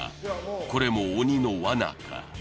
これも鬼のワナか